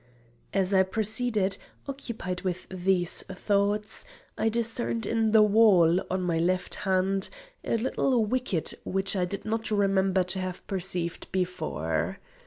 As I proceeded, occupied with these thoughts, I discerned in the wall, on my left hand, a little wicket which I did not remember to have perceived before.